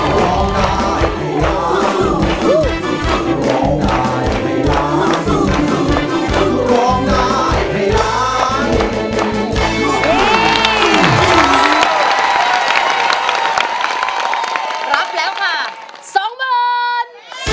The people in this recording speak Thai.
รับแล้วค่ะ๒บาท